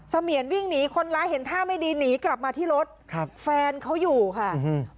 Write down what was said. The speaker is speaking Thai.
เสมียนวิ่งหนีคนร้ายเห็นท่าไม่ดีหนีกลับมาที่รถครับแฟนเขาอยู่ค่ะอืม